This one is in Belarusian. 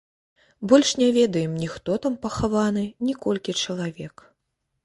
Больш не ведаем ні хто там пахаваны, ні колькі чалавек.